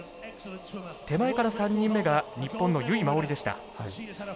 手前から３人目が日本の由井真緒里でした。